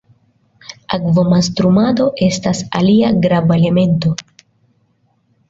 Akvo-mastrumado estas alia grava elemento.